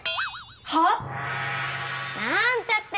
はっ⁉なんちゃって。